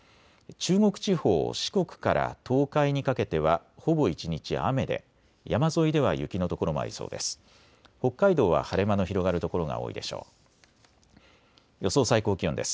中国地方、四国から東海にかけてはほぼ一日雨で山沿いでは雪の所もありそうです。